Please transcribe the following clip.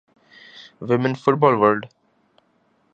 women football world